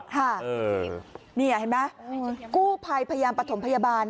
ค่ะนี่เห็นไหมกู้ภัยพยายามประถมพยาบาล